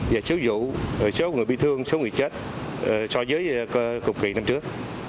và số dụ số người bị thương số người chết so với cục kỳ năm trước